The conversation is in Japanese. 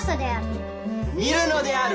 見るのである！